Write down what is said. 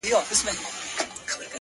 داسي دي سترگي زما غمونه د زړگي ورانوي~